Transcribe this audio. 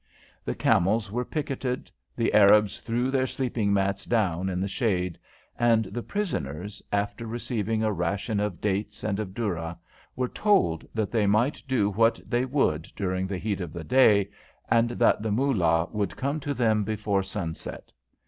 The camels were picketed, the Arabs threw their sleeping mats down in the shade, and the prisoners, after receiving a ration of dates and of doora, were told that they might do what they would during the heat of the day, and that the Moolah would come to them before sunset.